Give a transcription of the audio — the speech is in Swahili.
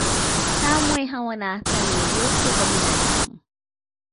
kamwe hawana athari yoyote kwa binadamu